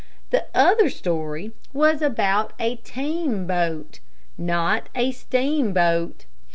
The other story was about a team boat, not a steamboat.